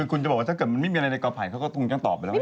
คุณจะบอกว่าถ้าเกิดมันไม่มีอะไรในกอไผ่เขาก็คงต้องตอบไปแล้ว